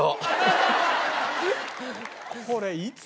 これいつ？